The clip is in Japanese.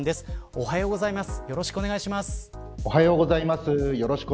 おはようございます。